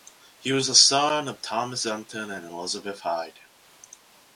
He was the son of Thomas Unton and Elizabeth Hyde.